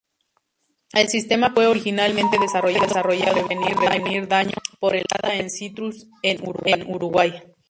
El sistema fue originalmente desarrollado para prevenir daño por helada en citrus en Uruguay.